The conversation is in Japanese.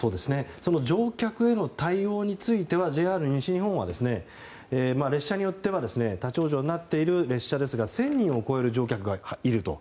乗客への対応についてはＪＲ西日本は列車によっては立ち往生になっている列車ですが１０００人を超える乗客がいると。